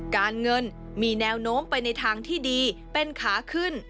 การเงินมีแนวโน้มไปในทางที่ดีเป็นขาขึ้น